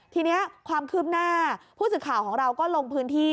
ทีนี้ความคืบหน้าผู้สื่อข่าวของเราก็ลงพื้นที่